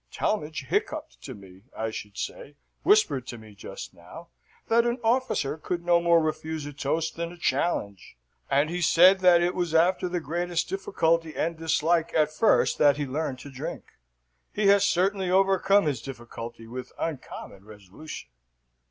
Talmadge hiccupped to me I should say, whispered to me just now, that an officer could no more refuse a toast than a challenge, and he said that it was after the greatest difficulty and dislike at first that he learned to drink. He has certainly overcome his difficulty with uncommon resolution."